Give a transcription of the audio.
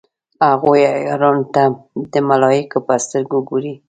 هغوی عیارانو ته د ملایکو په سترګه ګوري.